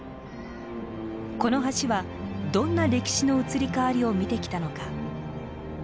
この橋はどんな歴史の移り変わりを見てきたのか。